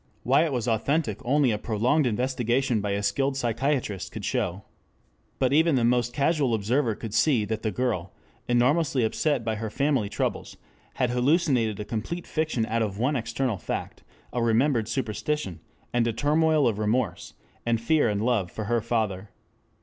Why it was authentic only a prolonged investigation by a skilled psychiatrist could show. But even the most casual observer could see that the girl, enormously upset by her family troubles, had hallucinated a complete fiction out of one external fact, a remembered superstition, and a turmoil of remorse, and fear and love for her father.